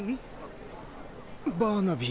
っバーナビー。